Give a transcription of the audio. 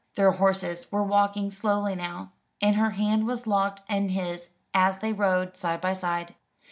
Their horses were walking slowly now; and her hand was locked in his as they rode side by side.